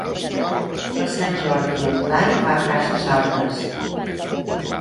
Per Sant Jordi en Blai va a Cases Altes.